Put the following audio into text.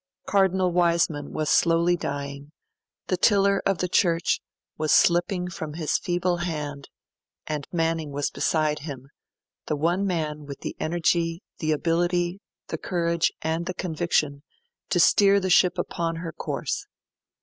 Cardinal Wiseman was slowly dying; the tiller of the Church was slipping from his feeble hand; and Manning was beside him, the one man with the energy, the ability, the courage, and the conviction to steer the ship upon her course.